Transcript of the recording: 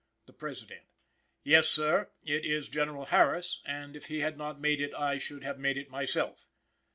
"The President. Yes, sir, it is General Harris, and, if he had not made it, I should have made it myself.